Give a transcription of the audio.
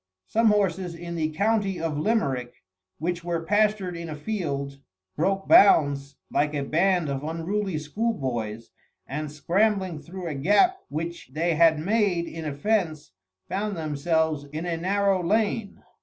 Some horses in the county of Limerick, which were pastured in a field, broke bounds like a band of unruly schoolboys, and scrambling through a gap which they had made in a fence, found themselves in a narrow lane.